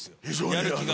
やる気が。